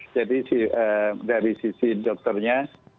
jadi dari sisi dokternya